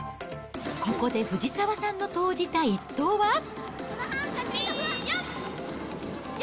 ここで藤澤さんの投じた１投は。